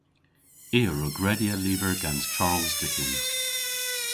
I a wrug redya lyver gans Charles Dickens.